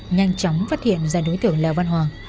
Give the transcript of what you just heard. nhanh chóng phát hiện ra đối tượng lò văn hoàng